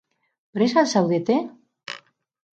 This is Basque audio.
Prest al zaudete?